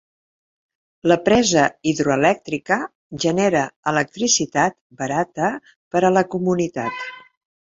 La presa hidroelèctrica genera electricitat barata per a la comunitat.